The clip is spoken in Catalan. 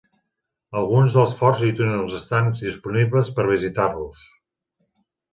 Alguns dels forts i túnels estan disponibles per visitar-los.